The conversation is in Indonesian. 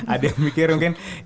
ada yang mikir mungkin ada yang mikir